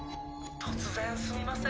突然すみません。